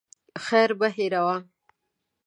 خير مه هېروه.